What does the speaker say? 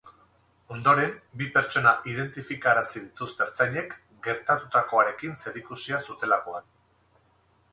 Ondoren, bi pertsona identifikarazi dituzte ertzainek, gertatutakoarekin zerikusia zutelakoan.